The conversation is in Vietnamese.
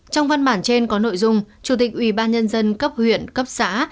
trong văn bản trên có nội dung chủ tịch ủy ban nhân dân cấp huyện cấp xã